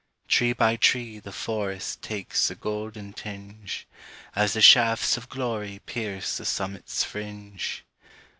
Tree by tree the forest Takes the golden tinge, As the shafts of glory Pierce the summit's fringe.